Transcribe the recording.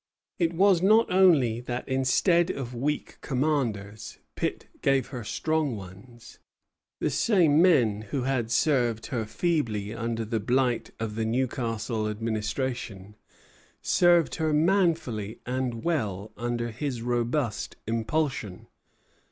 It was not only that instead of weak commanders Pitt gave her strong ones; the same men who had served her feebly under the blight of the Newcastle Administration served her manfully and well under his robust impulsion.